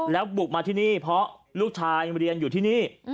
แล้วบุกมาที่นี่เพราะลูกชายเรียนอยู่ที่นี่